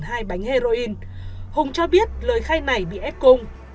hai bánh heroin hùng cho biết lời khai này bị ép cung